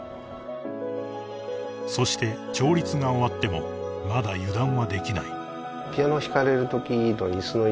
［そして調律が終わってもまだ油断はできない］